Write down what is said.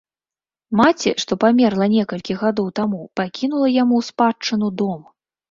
Маці, што памерла некалькі гадоў таму, пакінула яму ў спадчыну дом.